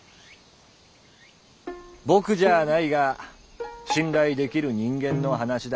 僕じゃあないが信頼できる人間の話だ。